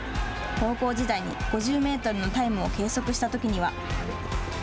高校時代に５０メートルのタイムを計測したときには。